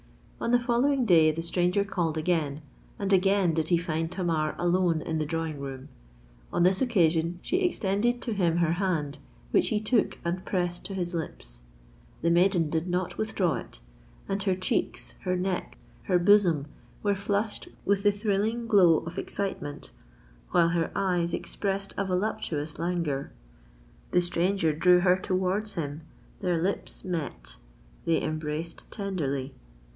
On the following day the stranger called again; and again did he find Tamar alone in the drawing room. On this occasion she extended to him her hand, which he took and pressed to his lips. The maiden did not withdraw it; and her cheeks—her neck—her bosom were flushed with the thrilling glow of excitement, while her eyes expressed a voluptuous languor. The stranger drew her towards him—their lips met: they embraced tenderly.